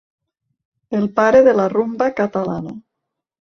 El pare de la rumba catalana.